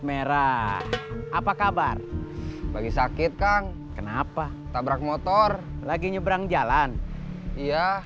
merah apa kabar lagi sakit kang kenapa tabrak motor lagi nyebrang jalan ya